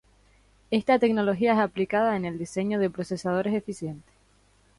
Esta tecnología es aplicada en el diseño de procesadores eficientes.